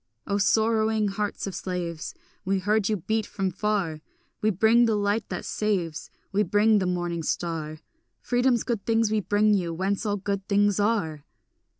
O sorrowing hearts of slaves, We heard you beat from far! We bring the light that saves, We bring the morning star; Freedom's good things we bring you, whence all good things are.